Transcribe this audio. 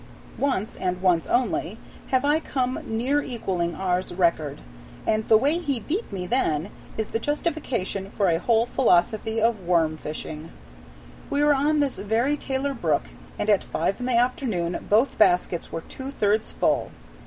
Once, and once only, have I come near equaling R.'s record, and the way he beat me then is the justification for a whole philosophy of worm fishing. We were on this very Taylor Brook, and at five in the afternoon both baskets were two thirds full.